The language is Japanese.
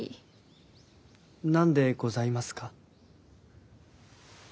何でございますか？